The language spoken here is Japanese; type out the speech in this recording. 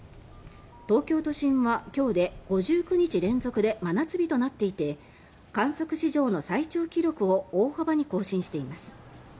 東京都心は今日で５９日連続で真夏日となっていて観測史上の最長記録を大幅に更新しています。